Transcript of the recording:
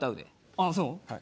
ああそう？